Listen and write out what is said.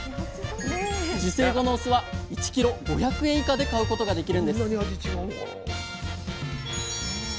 受精後のオスは１ｋｇ５００円以下で買うことができるんです